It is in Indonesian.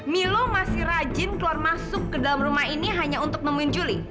milo masih rajin keluar masuk ke dalam rumah ini hanya untuk nemuin juli